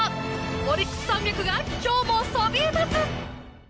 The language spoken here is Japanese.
オリックス山脈が今日もそびえ立つ！